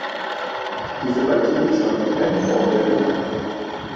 Diese Banditen scheuen keine Form der Gewalt.